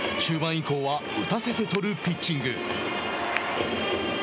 山崎、中盤以降は打たせて取るピッチング。